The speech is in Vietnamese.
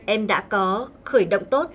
em đã có khởi động tốt